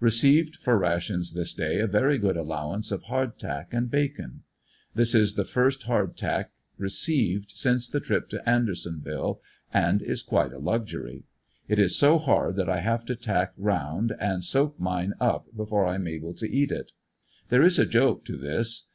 Received for rations this day a very good allowance of hard tack and bacon. This is the first hard tack received since the trip to Andersonville, and is quite a luxury. It is so hard tliat I have to tack around and soak mine up before 1 am able to eat it. There is a joke to this.